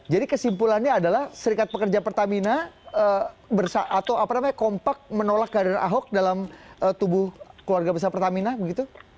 jadi kesimpulannya adalah serikat pekerja pertamina bersa atau apa namanya kompak menolak kehadiran ahok dalam tubuh keluarga besar pertamina begitu